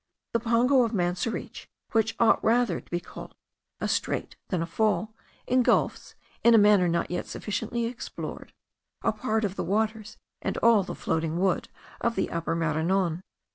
The pongo of Manseriche, which ought rather to be called a strait than a fall, ingulfs, in a manner not yet sufficiently explored, a part of the waters and all the floating wood of the Upper Maranon.